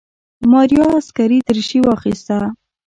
ماريا عسکري دريشي واخيسته.